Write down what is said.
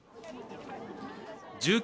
１９